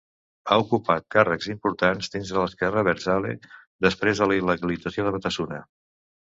Ha ocupat càrrecs importants dins de l'esquerra abertzale després de la il·legalització de Batasuna.